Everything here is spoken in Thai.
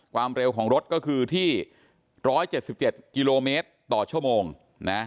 ความเร็วของรถก็คือที่๑๗๗กิโลเมตรต่อชั่วโมงนะ